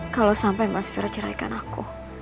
kalau sampai mas fira ceraikan aku